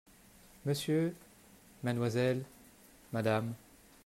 M…/Mlle…/Mme…